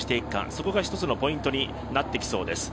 そこが一つのポイントになってきそうです。